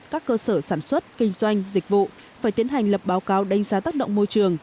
các cơ sở sản xuất kinh doanh dịch vụ phải tiến hành lập báo cáo đánh giá tác động môi trường